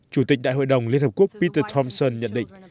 chủ tịch đại hội đồng liên hợp quốc peter homeson nhận định